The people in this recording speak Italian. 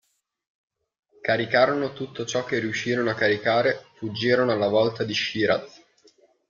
Caricarono tutto ciò che riuscirono a caricare fuggirono alla volta di Shiraz.